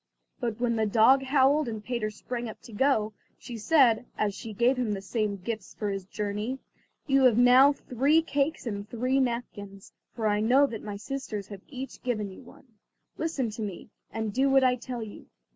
But when the dog howled, and Peter sprang up to go, she said, as she gave him the same gifts for his journey: "You have now three cakes and three napkins, for I know that my sisters have each given you one. Listen to me, and do what I tell you.